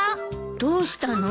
どうしたの？